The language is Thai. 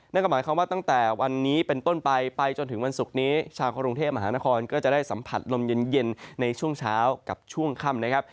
นั่นก็หมายความว่าตั้งแต่วันนี้เป็นต้นไปไปจนถึงวันศุกร์นี้ชาวกรุงเทพมหานครก็จะได้สัมผัสลมเย็นในช่วงเช้ากับช่วงค่ำนะครับ